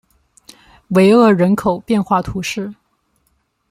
维厄人口变化图示